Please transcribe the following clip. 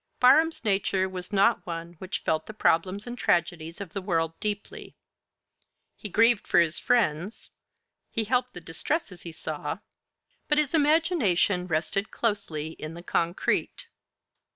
Barham's nature was not one which felt the problems and tragedies of the world deeply. He grieved for his friends, he helped the distresses he saw, but his imagination rested closely in the concrete.